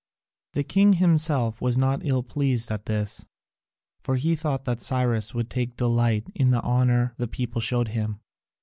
The king himself was not ill pleased at this, for he thought that Cyrus would take delight in the honour the people showed him.